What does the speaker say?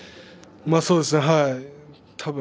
そうですね、多分。